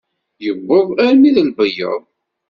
Yewweḍ armi d Lbeyyeḍ.